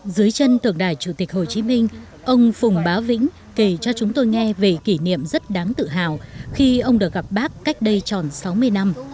dưới chân tượng đài chủ tịch hồ chí minh ông phùng bá vĩnh kể cho chúng tôi nghe về kỷ niệm rất đáng tự hào khi ông được gặp bác cách đây tròn sáu mươi năm